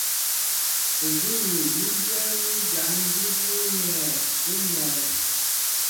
Udʉ́ úmi ní byɛ́ɛ́ní jǎn jí bú nɛ̂ ú mɛ̄ɛ̄.